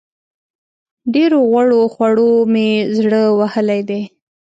ډېرو غوړو خوړو مې زړه وهلی دی.